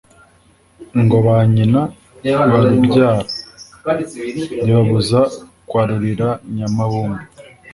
ngo ba nyina barubyara; ribabuza kwarurira nyamabumba,